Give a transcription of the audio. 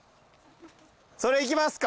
それいきますか？